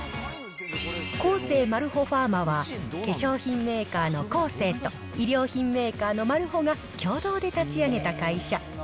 コーセーマルホファーマは、化粧品メーカーのコーセーと医療品メーカーのマルホが共同で立ち上げた会社。